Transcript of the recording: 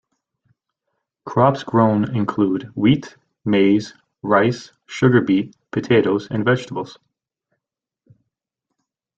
Crops grown include wheat, maize, rice, sugar beet, potatoes and vegetables.